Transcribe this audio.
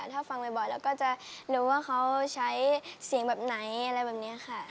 ถ้าฟังบ่อยเราก็จะรู้ว่าเขาใช้เสียงแบบไหนอะไรแบบนี้ค่ะ